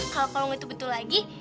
kalau kamu itu betul lagi